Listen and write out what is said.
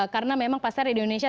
karena memang pasar di indonesia